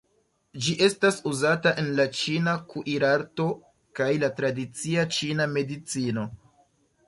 Ĝi estas uzata en la ĉina kuirarto kaj la tradicia ĉina medicino.